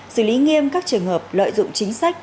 xử lý nghiêm các trường hợp lợi dụng chính sách